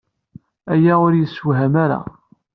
Aya ur iyi-yessewhem ara.